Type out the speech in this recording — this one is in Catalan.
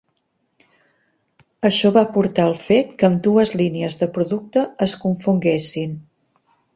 Això va portar al fet que ambdues línies de producte es confonguessin.